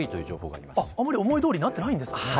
あまり思い通りになってないんですね。